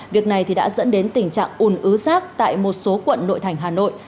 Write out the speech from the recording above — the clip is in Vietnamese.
việc này đã dẫn đến tình trạng ủn ứ rác tại một số quận nội thành hà nội